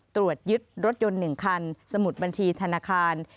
ตรวจยึดรถยนต์๑คันสมุดบัญชีธนาคาร